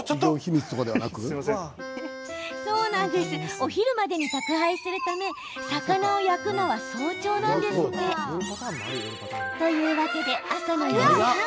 お昼までに宅配するため魚を焼くのは早朝なんだそう。というわけで、朝の４時半。